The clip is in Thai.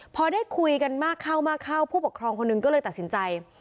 พอได้คุยกันมากเข้ามากเข้าผู้ปกครองคนหนึ่งก็เลยตัดสินใจ